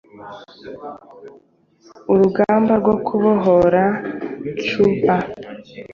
urugamba rwo kubohora cuba